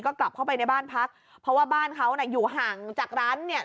ก็กลับเข้าไปในบ้านพักเพราะว่าบ้านเขาน่ะอยู่ห่างจากร้านเนี่ย